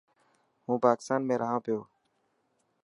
هون پاڪتان ۾ رهنا پيو.